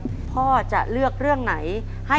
พ่อสนอเลือกตอบตัวเลือกที่๒คือแป้งมันครับ